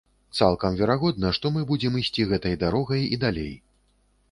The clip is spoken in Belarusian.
Цалкам верагодна, што мы будзем ісці гэтай дарогай і далей.